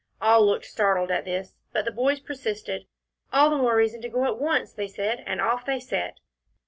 All looked startled at this, but the boys persisted. "All the more reason to go at once," they said, and off they set.